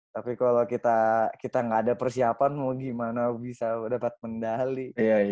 tapi kalau kita nggak ada persiapan mau gimana bisa dapat medali